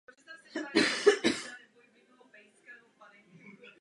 Padělání není pouze problémem dodržování práv duševního vlastnictví.